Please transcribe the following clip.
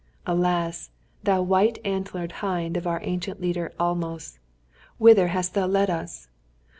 Alas! thou white antlered hind of our ancient leader Almos, whither hast thou led us?